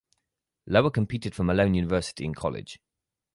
Lower competed for Malone University in college.